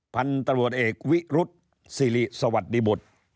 พันธุ์ตำรวจเอกวิรุฑซีรีสวัสดีบท